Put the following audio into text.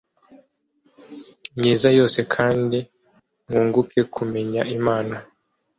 myiza yose kandi mwunguke kumenya Imana